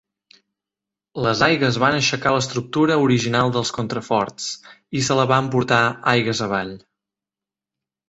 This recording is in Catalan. Les aigües van aixecar l'estructura original dels contraforts i se la va emportar aigües avall.